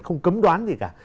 không cấm đoán gì cả